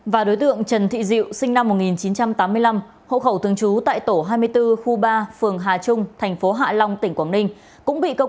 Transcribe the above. và đối tượng trần thị diệu sinh năm một nghìn chín trăm tám mươi năm hỗ khẩu thương chú tại tổ hai mươi bốn khu ba phường hà trung tp hạ long tỉnh quảng ninh